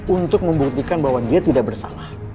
untuk membuktikan bahwa dia tidak bersalah